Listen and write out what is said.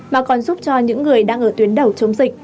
mà còn giúp cho những người đang ở tuyến đầu chống dịch